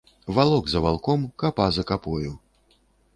Валок за валком, капа за капою.